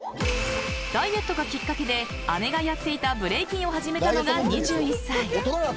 ダイエットがきっかけで姉がやっていたブレイキンを始めたのが２１歳。